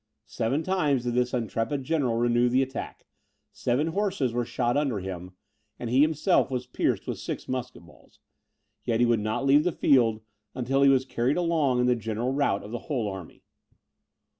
Seven times did this intrepid general renew the attack; seven horses were shot under him, and he himself was pierced with six musket balls; yet he would not leave the field, until he was carried along in the general rout of the whole army.